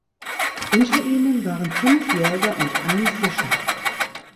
Unter ihnen waren fünf Jäger und ein Fischer.